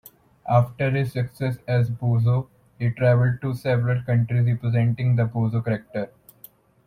After his success as Bozo, he traveled to several countries representing the Bozo character.